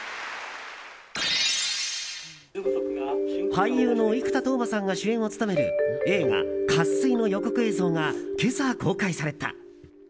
俳優の生田斗真さんが主演を務める映画「渇水」の予告映像が今朝公開された。